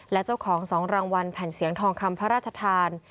และเจ้าของ๒รางวัลแผ่นเสียงทองคำพระราชทาน